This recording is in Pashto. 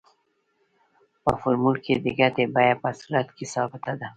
په فورمول کې د ګټې بیه په صورت کې ثابته ده